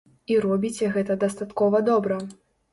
І робіце гэта дастаткова добра!